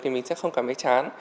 thì mình sẽ không cảm thấy chán